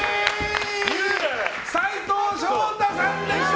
斉藤祥太さんでした！